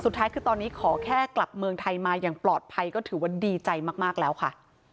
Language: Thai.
สุดท้ายคือตอนนี้ขอแค่กลับเมืองไทยมาอย่างปลอดภัยก็ถือว่าดีใจมากแล้วค่ะ